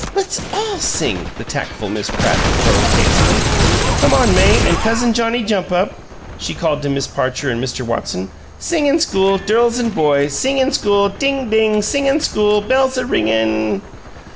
"Let's ALL sing," the tactful Miss Pratt proposed, hastily. "Come on, May and Cousin Johnnie Jump Up," she called to Miss Parcher and Mr. Watson. "Singin' school, dirls an' boys! Singin' school! Ding, ding! Singin' school bell's a wingin'!"